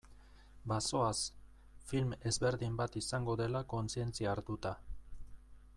Bazoaz, film ezberdin bat izango dela kontzientzia hartuta.